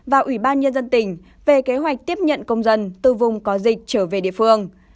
và ủy ban nhân dân tỉnh về kế hoạch tiếp nhận công dân từ vùng có dịch trở về địa phương